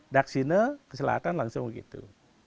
daksina ke selatan langsung begitu